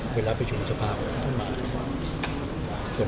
เวลาไปแก่สวสอง็มาติด